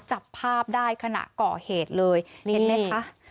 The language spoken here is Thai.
จับภาพได้ขณะก่อเหตุเลยเห็นไหมคะ